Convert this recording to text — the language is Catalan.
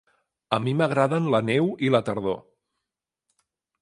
A mi m'agraden la neu i la tardor.